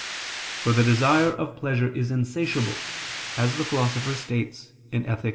"For the desire of pleasure is insatiable," as the Philosopher states (Ethic.